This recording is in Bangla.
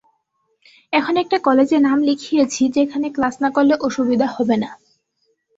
এখন একটা কলেজে নাম লিখিয়েছি, যেখানে ক্লাস না করলে অসুবিধা হবে না।